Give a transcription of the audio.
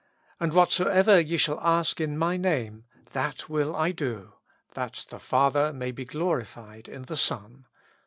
And whatsoever ye shall ask in my Name, that will I do, that the Father may be glorified in the Son.